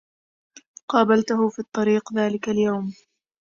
قابلته في الطريق ذلك اليوم.